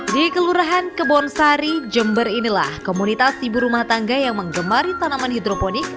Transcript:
di kelurahan kebonsari jember inilah komunitas ibu rumah tangga yang mengemari tanaman hidroponik